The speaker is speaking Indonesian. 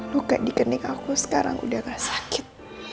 luka dikenik aku sekarang udah gak sakit